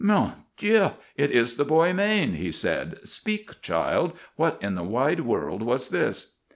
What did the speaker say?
"'Mon Dieu! it is the boy Maine!' he said. 'Speak, child, what in the wide world was this?